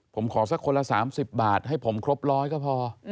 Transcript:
ผมขอสักคนละ๓๐บาทให้ผมครบร้อยก็พอ